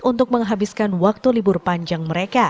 untuk menghabiskan waktu libur panjang mereka